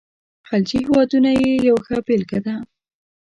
خلیجي هیوادونه یې یوه ښه بېلګه ده.